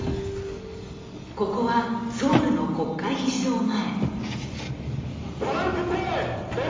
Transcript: ここはソウルの国会議事堂前。